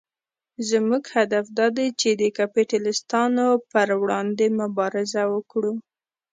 زموږ هدف دا دی چې د کپیټلېستانو پر وړاندې مبارزه وکړو.